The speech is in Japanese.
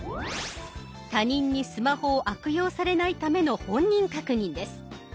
他人にスマホを悪用されないための本人確認です。